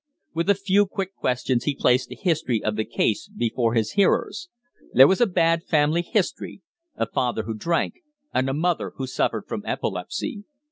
With a few quick questions he placed the history of the case before his hearers. There was a bad family history a father who drank, and a mother who suffered from epilepsy.